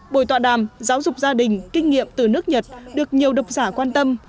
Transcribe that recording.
buổi tọa đàm giáo dục gia đình kinh nghiệm từ nước nhật được nhiều độc giả quan tâm